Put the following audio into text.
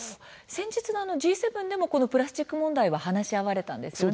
先日のＧ７でもプラスチック問題は話し合われたんですよね。